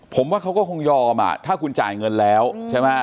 ผมว่าเขาก็คงยอมอ่ะถ้าคุณจ่ายเงินแล้วใช่ไหม